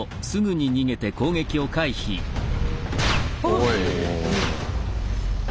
おい。